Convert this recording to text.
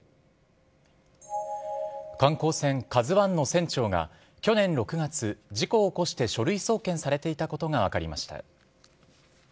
観光船カズワンの船長が、去年６月、事故を起こして書類送検されていたことが分かりました。